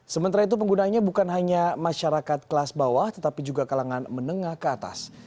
sementara itu penggunanya bukan hanya masyarakat kelas bawah tetapi juga kalangan menengah ke atas